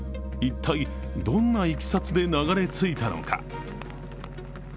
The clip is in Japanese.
一体、どんないきさつで流れ着いたのか。